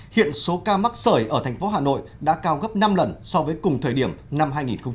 hiện số ca mắc sởi ở thành phố hà nội đã cao gấp năm lần so với cùng thời điểm năm hai nghìn một mươi tám